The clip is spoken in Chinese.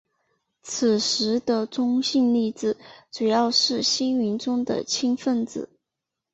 此时的中性粒子主要是星云中的氢分子。